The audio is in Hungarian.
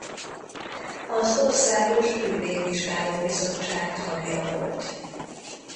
Az országos ügyvédvizsgáló-bizottság tagja volt.